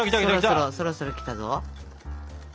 そろそろそろそろきたぞ。